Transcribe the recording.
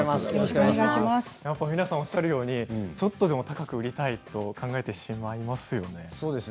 皆さんおっしゃるようにちょっとでも高く売りたいと考えてしまいますよね。